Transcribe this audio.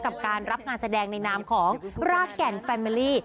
กับการรับงานแสดงในนามของรากแก่นแฟมิลี่